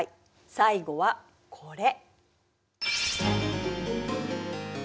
最後はこれ。